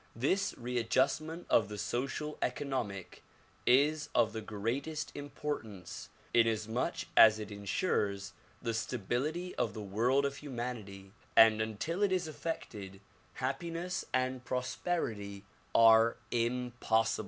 This readjustment of the social economic is of the greatest importance inasmuch as it insures the stability of the world of humanity; and until it is effected, happiness and prosperity are impossible.